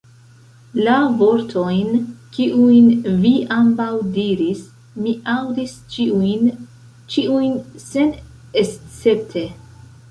La vortojn, kiujn vi ambaŭ diris, mi aŭdis ĉiujn, ĉiujn senescepte.